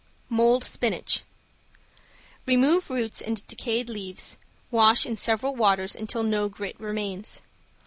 ~MOLD SPINACH~ Remove roots and decayed leaves, wash in several waters until no grit remains.